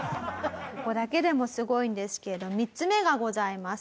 ここだけでもすごいんですけれども３つ目がございます。